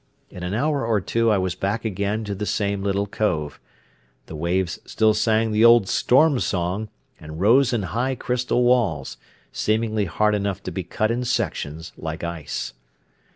In an hour or two I was back again to the same little cove. The waves still sang the old storm song, and rose in high crystal walls, seemingly hard enough to be cut in sections, like ice.